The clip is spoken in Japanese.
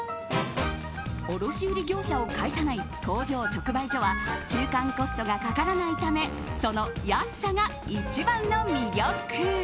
卸売業者を介さない工場直売所は中間コストがかからないためその安さが一番の魅力。